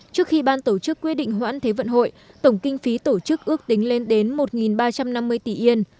trước khi ban tổ chức quyết định hoãn thế vận hội tổng kinh phí tổ chức ước tính lên đến một ba trăm năm mươi tỷ yên